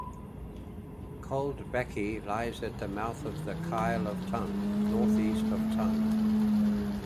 Coldbackie lies at the mouth of the Kyle of Tongue, north east of Tongue.